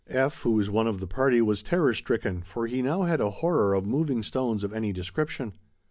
F., who was one of the party, was terror stricken, for he now had a horror of moving stones of any description.